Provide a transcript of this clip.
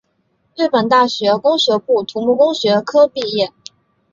日本大学工学部土木工学科毕业。